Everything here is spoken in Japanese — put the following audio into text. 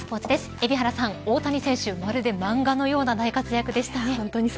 海老原さん大谷選手、まるで漫画のような大活躍でしたね。